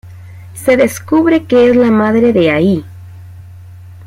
Se descubre que es la madre de Ai.